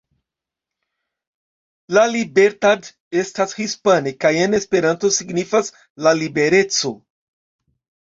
La Libertad estas hispane kaj en Esperanto signifas "La libereco".